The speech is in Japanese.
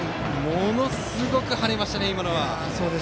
ものすごく跳ねましたね。